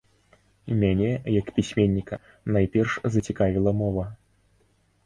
Мяне як пісьменніка найперш зацікавіла мова.